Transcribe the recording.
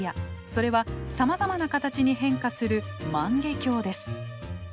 それはさまざまな形に変化する万華鏡です。